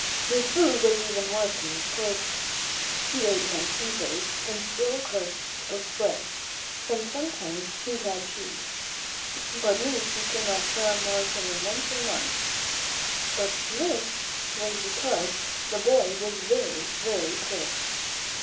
His food was even worse than his clothing. He ate nuts and grapes and stale crusts of bread, and some times he had cheese. But meat he could not have more than once a month. This was be cause the boy was very, very poor.